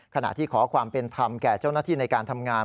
ขณะที่ขอความเป็นธรรมแก่เจ้าหน้าที่ในการทำงาน